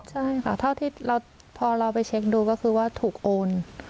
ใช่ค่ะเท่าที่พอเราไปเช็คดูก็คือว่าถูกโอน